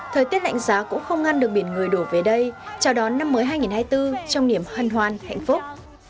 thời tiết lạnh giá cũng không ngăn được biển người đổ về đây chào đón năm mới hai nghìn hai mươi bốn trong niềm hân hoan hạnh phúc